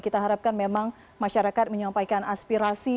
kita harapkan memang masyarakat menyampaikan aspirasi